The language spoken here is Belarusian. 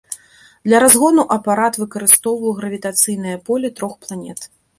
Для разгону апарат выкарыстоўваў гравітацыйнае поле трох планет.